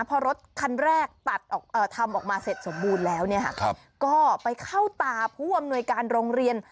พอรถคันแรกตัดทำออกมาเสร็จสมบูรณ์แล้วก็ไปเข้าตาผู้อำนวยการโรงเรียน